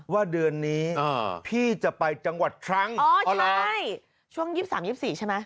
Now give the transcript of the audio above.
ว่าเดือนนี้เออพี่จะไปจังหวัดทรังอ๋อใช่ช่วงยี่สามยี่สิบสี่ใช่ไหม